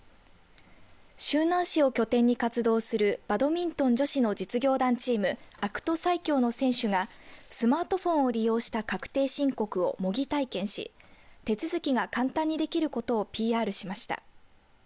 周南市を拠点に活動するバドミントンの女子の実業団チームＡＣＴＳＡＩＫＹＯの選手がスマートフォンを利用した確定申告を模擬体験し手続きが簡単にできることをＰＲしました。